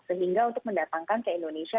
sehingga untuk mendatangkan ke indonesia